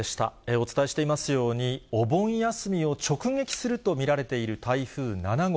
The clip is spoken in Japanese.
お伝えしていますように、お盆休みを直撃すると見られている台風７号。